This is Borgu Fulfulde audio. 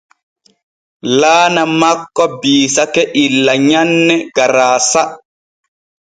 Laana makko biisake illa nyanne garaasa.